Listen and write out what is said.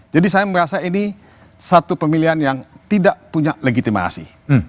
jadi saya merasa ini satu pemilihan yang tidak punya legitimasi